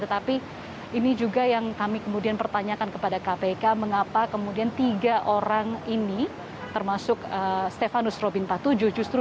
tetapi ini juga yang kami kemudian pertanyakan kepada kpk mengapa kemudian tiga orang ini termasuk stefanus robin tatuju justru